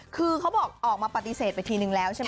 คือเขาบอกออกมาปฏิเสธไปทีนึงแล้วใช่ไหม